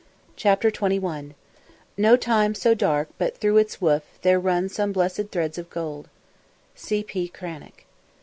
CHAPTER XXI "No time so dark but through its woof there run Some blessed threads of gold." C. P. CRANACH.